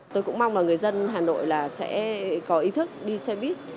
tôi cũng mong là người dân hà nội là sẽ có ý thức đi xe buýt